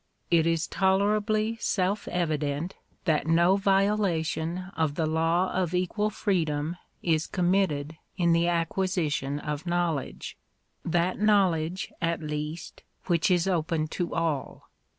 It is tolerably self evident that no violation of the law of equal freedom is committed in the acquisition of knowledge — that knowledge, at least, which is open to all.